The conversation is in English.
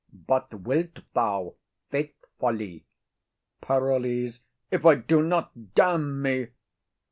But wilt thou faithfully? PAROLLES. If I do not, damn me.